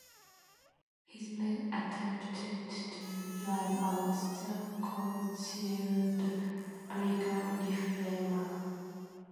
His men attempted to drive out the concealed American riflemen.